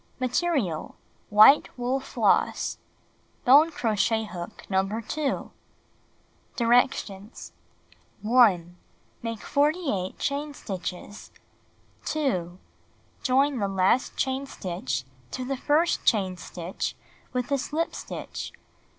Material : White wool floss. Bone crochet hook No. 2. Directions : 1. Make 48 chain stitches. 2. Join the last chain stitch to the first chain stitch with a slip stitch.